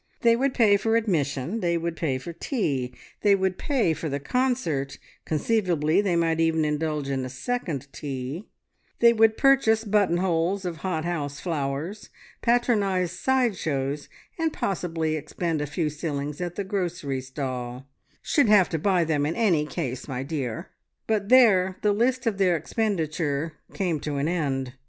They would pay for admission, they would pay for tea, they would pay for the concert conceivably they might even indulge in a second tea they would purchase buttonholes of hot house flowers, patronise side shows, and possibly expend a few shillings at the grocery stall ("Should have to buy them in any case, my dear!") but there the list of their expenditure came to an end.